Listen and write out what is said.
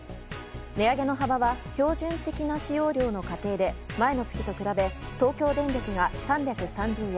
値上げの幅は標準的な使用量の家庭で前の月と比べ東京電力が３３０円